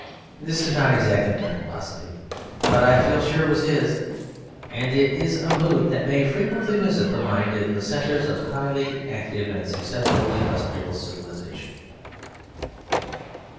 This is not exactly my philosophy, but I feel sure it was his. And it is a mood that may frequently visit the mind in the centres of highly active and successful industrial civilisation.